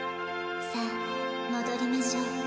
さぁ戻りましょう。